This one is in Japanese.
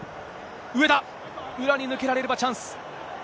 上田、裏に抜けられればチャンス。